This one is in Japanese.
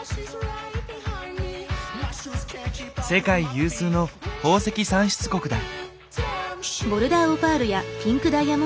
世界有数の宝石産出国だ。